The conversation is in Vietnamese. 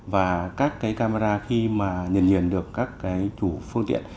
và các cái camera khi mà nhận diện được các cái chủ phương tiện